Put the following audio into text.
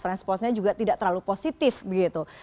responsnya juga tidak terlalu positif begitu